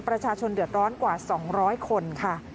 ประชาชนเดือดร้อนกว่า๒๐๐คนค่ะ